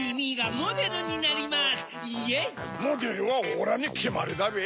モデルはオラにきまりだべぇ。